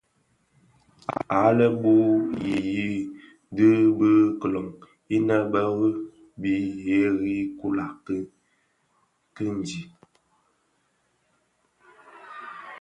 Àa le bu i yii di bi kilong inë bë ri bii ghêrii kula canji.